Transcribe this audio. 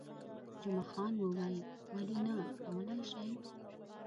جمعه خان وویل، ولې نه، کولای شئ.